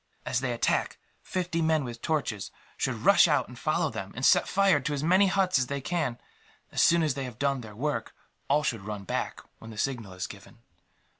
"As they attack, fifty men with torches should rush out and follow them, and set fire to as many huts as they can. As soon as they had done their work, all should run back, when the signal is given.